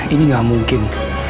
ini gak mungkin